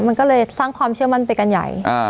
มันก็เลยสร้างความเชื่อมั่นไปกันใหญ่